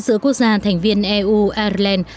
giữa quốc gia thành viên eu ireland